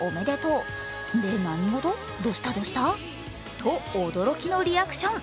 と、驚きのリアクション。